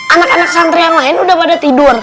anak anak santri yang lain udah pada tidur